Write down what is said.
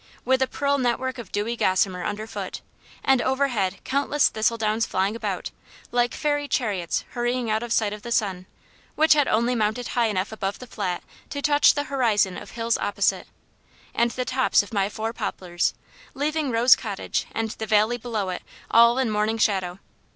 with a pearly network of dewy gossamer under foot, and overhead countless thistle downs flying about, like fairy chariots hurrying out of sight of the sun, which had only mounted high enough above the Flat to touch the horizon of hills opposite, and the tops of my four poplars, leaving Rose Cottage and the valley below it all in morning shadow.